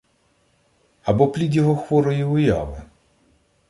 Або плід його хворої уяви?